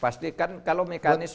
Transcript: pastikan kalau mekanisme